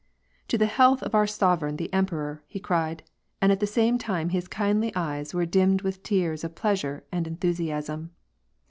" To the health of our sovereign, the emperor," he cried, and at the same time his kindly eyes were dimmed with tears of pleasure and enthusiasm.